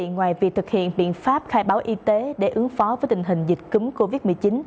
ngoài việc thực hiện biện pháp khai báo y tế để ứng phó với tình hình dịch cúng covid một mươi chín